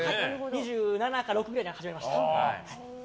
２７から２６くらいから始めました。